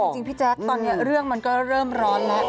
จริงพี่แจ๊คตอนนี้เรื่องมันก็เริ่มร้อนแล้ว